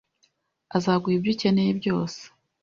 azaguha ibyo ukeneye byose.